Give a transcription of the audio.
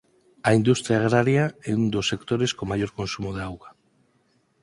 A industria agraria é un dos sectores con maior consumo de auga.